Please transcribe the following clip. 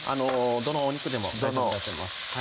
どのお肉でも大丈夫だと思います